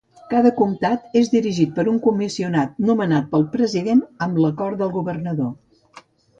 Cada comtat és dirigit per un comissionat nomenat pel president amb l'acord del governador.